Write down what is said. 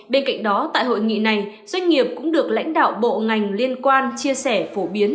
bên cạnh đó tại hội nghị này doanh nghiệp cũng được lãnh đạo bộ ngành liên quan chia sẻ phổ biến